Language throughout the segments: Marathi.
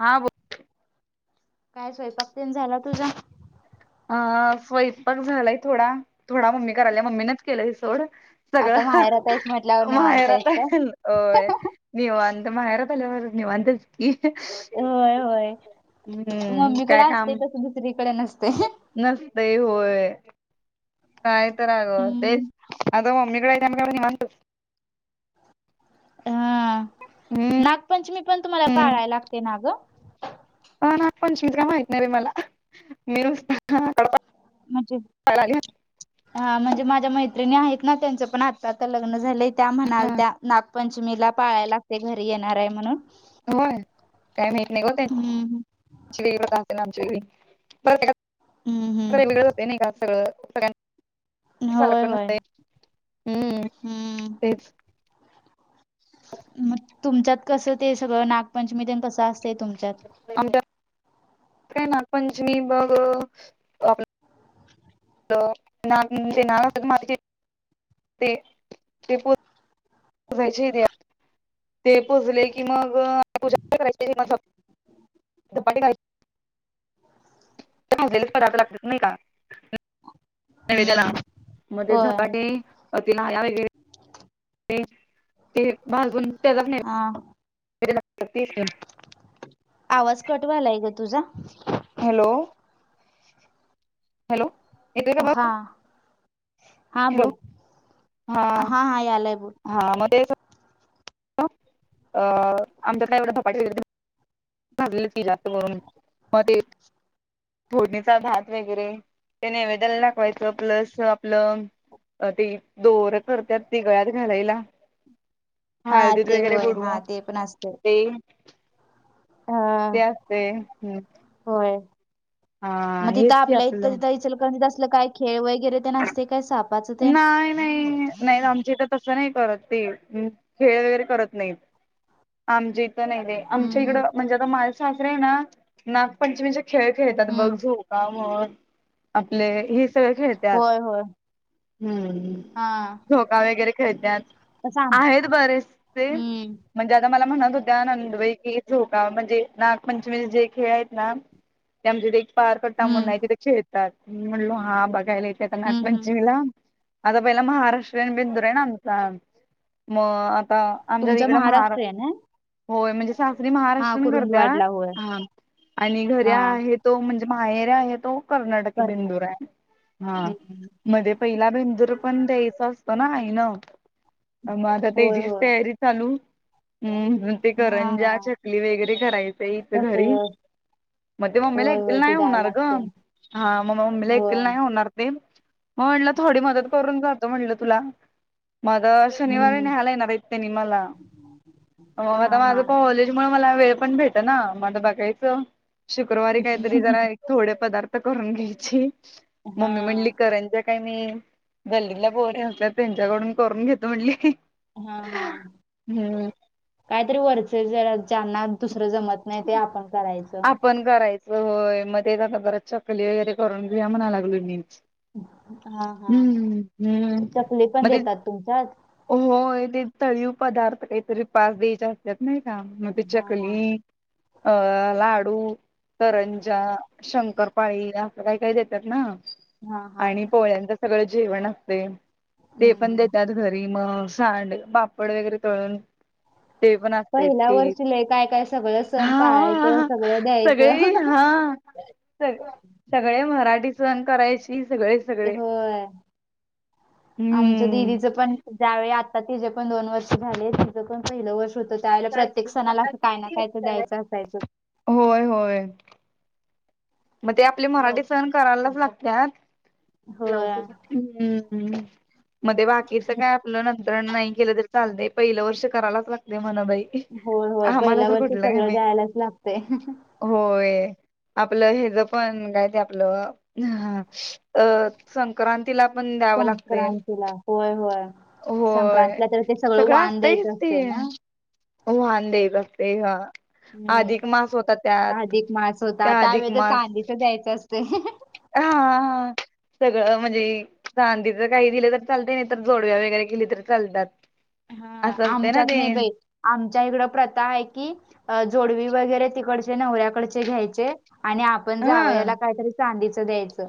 हां बोल कायं स्वयंपाकतेन झांला तुझां अं स्वयंपाक झालाय थोडां थोडां मम्मी करायंला मम्मीनेचं केलंय सोंड आता सगळं माहेरात आहेस म्हटल्यावर निवांत आहेस माहेरांत काय? आहे होयं निवांत माहेरांत आल्यानंतर निवांतच की होयं होयं हम्म मम्मीकडे असतें कसं दुसरीकडे नसते नस्ते यं होयं कायं करावं तरं अंग हम्म तेचं आंता मम्मीकडे नेमकं नीवांत हां हम्म नागपंचमी पणं तुम्हांला पाळायंला लागते नां गं ह ना पंचमीच काय माहित नाही रे मला मी नुसता म्हणजे हा म्हणजे माझ्या मैत्रिणी आहेत ना त्यांच पण आता आता लग्न झालं. त्या म्हणाल त्या नागपंचमीला पाळायला लागतय घरी येणार आहे म्हणून. होय काय माहीत नाही का हम्म. आ वेग ना आमची वेगळी. हम्म वेगळ हम्म. जाते नाही घ सगळं सगळ्यां होय सारखं होय नसतय. हम्म. हम्म. तेच. मग तुमच्यात कसं ते सगळं नागपंचमी तेन कसं असतय तुमच्यात? आमच्यात. काय नागपंचमी बघ आप त ना ते ना माझ ते ते प ाय ते पुजले कि मग पूजा करायची म पट काय [unintelligible] हम्म न्यावेळमध्ये होय धपाटे ह्या वगैरे ते ते बाजून त्याचा प नाही हा. [inaudible] आवाज कटवालाय ग तुझा. हॅलो. हॅलो. येतोय का हा. बघ हा हॅलो बोल हा हा यालाय बोल हा मग अ आमच काय बपाट झागली ती जास्त करून मग ते फोडणीचा भात वगैरे त्या नैवेदल टाकवायचं प्लस आपलं अ ते दोर करतात ति गळ्यात घालायला. हा हळदीत ते वगैरे होय हा बडवू ते पण असते ते अ असते हम्म. होय. मग तिथं हेच की आपल्या इथं आपलं तिथं इचल करणीत असलं काय खेळ वगैरे ते नसते काय सापाचं तेन? नाही नाही नाही आमच्या इथं तसं नाही करत ते खेळ वगैरे करत नाहीत. आमच्या इथं नाही नाही. हम्म आमच्या हम्म इकडं म्हणजे आता माल सासरे आहे ना नागपंचमीचे खेळ खेळतात बघ हम्म झू काम आपले हि सगळं खेळत होय होय. हम्म हा झोका वगैरे खेळतात. सांग आहेत बरे तुझे. हम्म म्हणजे आता मला म्हणत होत्या नंदवई क झोका म्हणजे नागपंचमीचे जे खेळ आहेत ना. [inaudible] त्या म्ह ते एक पार करतााम हम्म नाही तथे खेळतात म्हणलो हा बघायला इथे नाक हम्म म्हण हम्म आता पहिला महाराष्ट्रीयन बेंदूर आहे ना आमचा मग आता आमच्या तुमचा तिकडं महा महाराष्ट्रीयन आहे होय म्हणजे सासरी हा महाराष्ट्रीयन करत्यात कुरुंदवाडला होय हा आणि घरी हा आहेत तो, म्हणजे माहेरी आहे तो कर्नाटकी कर बेंदूर आय हा. हम्म मध्ये पहिला बेंदूर पण द्यायचा असतो ना आई न. मग आता होय तेजीच होय तयारी चालू हम्म.. [inaudible] ते हा करंज्या, हा चकली वगैरे करायचं इथं तस घरी. म ते मग मला होय एकटीला होय नाही ते द्यायला होणार ग, लागते हा मम मम्मीला मला होय एकटीला नाही होणार ते. म म्हणलं थोडी मदत करून जातो म्हटलं तुला. मग शनिवारी हम्म न्हायला येणार हाइत तेनी मला, मग आता हा माझ हा काॅलेज की म मला वेळ पण भेटना म बघायच शुक्रवारी काहीतरी जरा थोडे पदार्थ करून घ्यायची [inaudible] हा मम्मी म्हणली कंर काय नाइ गल्लीतल्या पोरांच्या त्यांच्याकडून करून घेतो म्हटली [inaudible] हा -हा. काहीतरी वरच जरा ज्यांना दुसरं जमत नाही ते आपण करायचं. आपण करायचं. होय, मग ते आता जरा चकली वगैरे करून घेऊया म्हणालागलो मीच. हा हा. हम्म- हम्म मध्ये तुमच्याच. हो ते तळीव पदार्थ काहीतरी पाच द्यायचे असत्यात नाही का मग ते हा हा. चकली, अ लाडू्. तरंजा, शंकरपाळी असं काही- काही देत्यात ना. हा हा आणि पोळ्यांच सगळं जेवण असतय. हम्म ते पण हम्म. देत्यात घ री मग सांड- बापड वगैरे तळून ते पण असतय पहिल्या ती वर्षी लय काय काय सगळं सण पाळायचं हा.... सगळं [inaudible] द्यायचं सगळी हा... सय ग सगळे मराठी सण करायची सगळे ते सगळे. होय. आमच्या हम्म दिदीचं पण ज्यावेळी आता तिज पण दोन वर्ष झाले तिज पण पहिलं वर्ष होत ला प्रत्येक सणाला असं काय ना कायच द्यायचं असायचं. होय -होय. मग ते आपले मराठी सण करायलाच लागत्यात [unintelligible] ला होय. हम्म मध्ये बाकीच काय आपलं नंतर नाही केलं तर चालतय. पहिलं वर्ष करायलाच लागते म्हण बाई. होय -होय आम्हाला पहिल्या तर वर्षी कुठलं काय सगळं माहित. जायालाच लागतेय. होय. आपलं हेज पण काय ते आपलं [inaudible] अ संक्रांतीला पण द्यावं लागतंय. संक्रांतीला होय -होय. होय संक्रांतीला तर ते सगळं वाण असतयच द्यायचं ते. असतंय ना. व्हान द्यायच असतय. हा अधिक मास होता हम्म त्यात अधिक मास होता त्या अधिक वेळ तर मास चांदीच द्यायचं असतय [inaudible] [inaudible] सगळ म्हणजे चांदीच काही दिलं तर चालत नाही तर, जोडव्या वगैरे केली तरी चालत्यात. हा आमच्यात नाही बाईट. आमच्या इकडं प्रथा आहे की जोडवी वगैरे तिकडचे नवऱ्याकडचे घ्यायचे. आणि आपण हा जावयाला काहीतरी चांदीचं द्यायचं.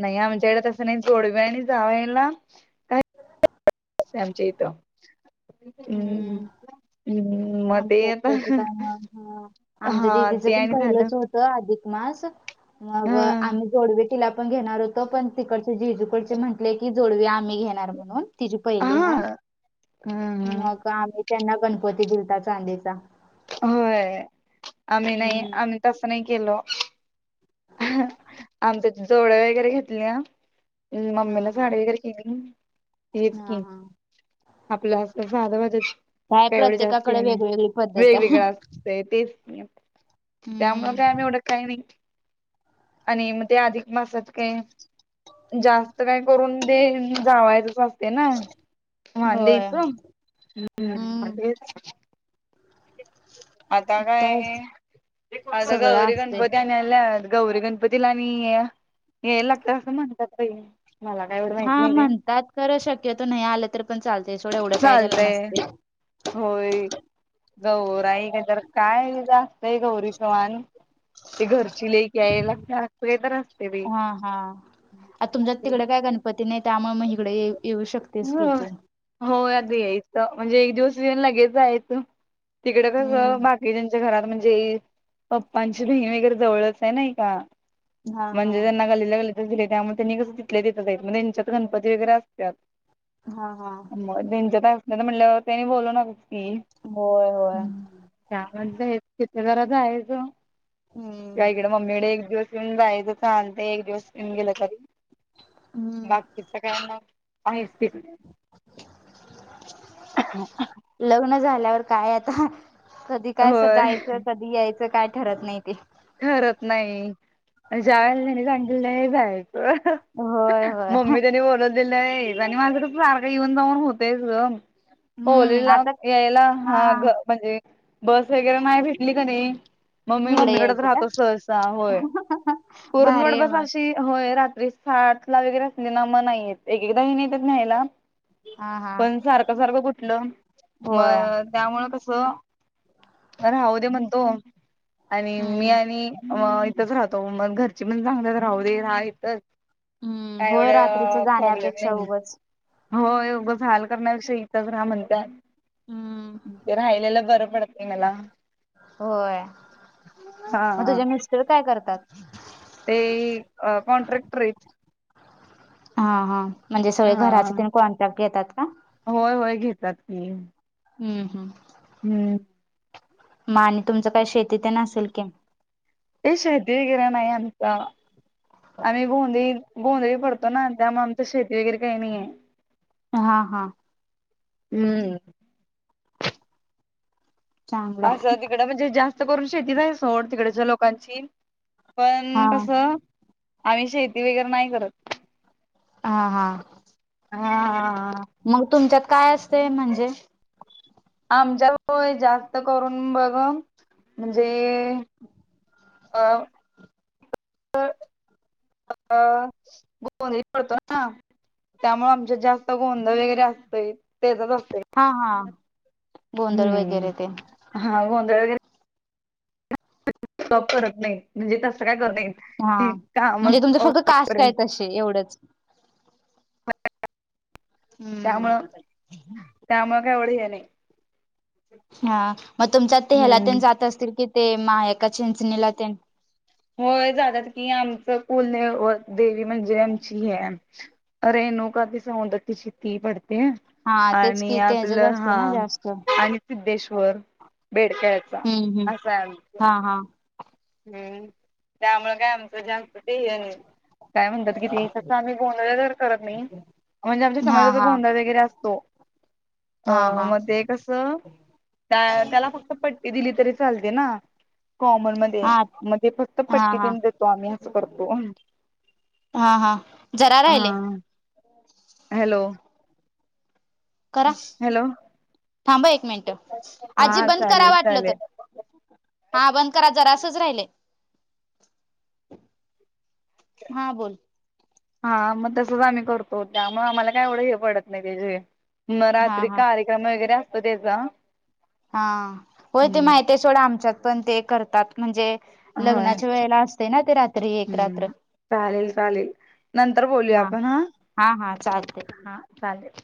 नाही आमच्याकडे तसं नाही जोडव्या आणि जावयला काही अश हाय आमच्या हित हम्म हम्म मग ते आमच्यात आता तसं काय नाही. हा. आमच्या हा ते दिदीचं पण आणि झालं पहिलंच होतं अधिक मास मग हा आम्ही जोडवे तिला पण घेणार होतो पण तिकडचे जिेजूकडचे म्हटले की जोडवी आम्ही घेणार म्हणून तिची पहिली हाय हा हा तर आम्ही त्यांना गणपती दिलता चांदीचा होय आम्ही नाही हम्म आम्ही तसं नाही केलो आमच्यात जोडवे वगैरे घेतली ना हम्म हा मम्मी ला हा साडी वगैरे केली ना हा तेचकी हा आपलं असं साधं वाजत काय प्रत्येकाकडे वेगवेगळी पद्धत [unintelligible] आहे. तेच की त्यामुळं काय हम्म का नाही आणि म ते अधिक मासात काही जास्त काही करून दे जावायचच असते ना वांदे होय एक हम्म आता काय हे आता सगळं गौरी असतंय. गणपती आन यायल्या गौरी गणपतीला आणि याय लागतात असं म्हणतात बाई मला काय एवढं हा माहित नाही ते म्हणतात खरं शक्यतो नाही आलं तर पण चालतंय सोड एवढं काय त्याला चालतंय नसतयं. होय गौराई काय असतंय गौरीच मान ते घरची लेक आहे [unintelligible] असतय बाई हा हा आता तुमच्या तिकड काय गणपती नाही त्यामुळे मग हिगड येऊ शकत होय होय आदी म्हणजे एक दिवस येऊन लगेच जायचं. तिकड हम्म कसं बाकी ज्यांच्या घरात म्हणजे पप्पांची बहीण वगैरे जवळच आहे नाही. का हा हा म्हणजे त्यांना गल्लीतल्या गल्लीत दिले त्यामुळे त्यांनी कसं तिथल्या तिथं आहेत मग त्यांच्यात गणपती वगैरे असतात. हा हा मग त्यांच्यात असत्यात म्हटलं त्यांनी बोलवणारच की. होय होय त्या म्हणत्या हेत आहेत तिथे जरा जायचं हम्म काय कर मम्मीकडे एक दिवस येऊन जायच चालतंय एक दिवस येऊन गेलं तरी हम्म बाकीच काय आता आहेत तेच लग्न झाल्यावर काय आता कधी काय कस होय जायचं कधी यायचं काय ठरत नाही ते ठरत नाही ज्या वेळेला त्यानी सांगलेलं आहे जायाचं अह होय होय मम्मी त्यांनी बोलव दिलं नाही आणि माझं तर सारखं येऊन जाऊन होतयच ग हम्म होलीला आता यायला हा ग म्हणजे बस वगैरे नाही भेटली क नाही मम्मी इकडे मम्मीकड यायचं का राहतो सहसा होय भारी कुरुंदवाड आहे मग पाशी होय रात्री सात ला वगैरे असले ना मग नाहीे येत एक एकदा हेनी येत्यात न्यायला. हा हा पण सारखं सारखं कुठलं होय मग त्यामुळ कस राहू दे म्हणतो आणि मी हम्म आणि म इथच राहतो मग घरची पण सांगत्यात राहू दे राहा इथच हम्म काय होय रात्रीच एवढं प्रॉब्लेम जाण्यापेक्षा नाही. उगच हो उगच हाल करण्यापेक्षा इथंच राह म्हणत्यात. हम्म राहिलेल बरं पडतय मला होय मग हा. तुजे मिस्टर काय करत्यात. ते, अ कॉन्ट्रॅक्टर आहेत. हा हा, म्हणजे सगळे घराचे हा. ते कॉन्ट्रॅक्ट घेतात का? होय होय, घेतात की हम्म हम्म, हम्म, मग आणि तुमच काय शेती तेन असेल की, ये शेती वगैरे नाही, आमच आम्ही गोंधळी गोंधळी पडतो, ना त्यामुळ आमच शेती वगैरे काही नये. हा हा, हम्म, अस चांगलंय तिकड म्हणजे जास्त करून शेतीच आहे. सोड तिकडच्या लोकांची हा पण कस आम्ही शेती वगैरे नाही करत. आ हा, हा, मग, तुमच्यात काय असते म्हणजे आमच्यात होय, जास्त करून बघ म्हणजे अ गोंधळी पडतो ना त्यामुळे आमच्यात जास्त गोंधळ वगैरे असतोय. तेचच तसंच हा हा असत. गोंधळ हम्म, वगैरे ते हा गोंधळ वगैरे हा [unintelligible] तेनी एवढंच हम्म, त्यामुळ- त्यामुळ एवढं काय हे नाही. हा मग तुमच्या ते ह्याला हम्म. तेन जात असतील, कि ते मायाक्का चिंचणीला तेन होय जातात. की आमचं कुलदैवत देवी म्हणजे आमची ही हाय, रेणुका ती सौंदतीची ती पडते. हा तेच आणि कि आपल तेजच असते हा ना जास्त आणि सिद्धेश्वर बेडक्याळचा हम्म हम्म असाय आमच हा हा हम्म, त्यामुळ काय आमच जास्त ते हे नाही. काय म्हणतात. कि ते तस आम्ही गोंधळ घर करत नाही. म्हणजे आमच्या हा समाजाचा हा गोंधळ वगैरे असतो. अ हा हा मग ते, कस त्या त्याला फक्त पट्टी दिली तरी चालते. ना कॉमन मध्ये हा ते मधी फक्त हा पट्टी हा तेन देतो, आम्ही अस करतो. हा हा, जरा राहिलय हा हॅलो, करा, हॅलो थांब एक मिनट आजी हा बंद करा चालेल वाटल चालेल तर हा, बंद करा जरासच राहिलय. हा, बोल हा, मग तसच आम्ही करतो. त्यामुळ आम्हाला काय एवढं हे पडत नाही, ते जे म, हा रात्री हा कार्यक्रम वगैरे असत तेच हा, होय ते माहिती सोड आमच्यात पण ते करतात म्हणजे होय लग्नाच्या वेळेला असतय, ना ते रात्री एक रात्र. हम्म चालेल चालेल नंतर बोलूया हा आपण हा हा, चालतंय. हा चालेल.